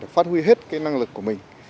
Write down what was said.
phát huy hết cái năng lực của mình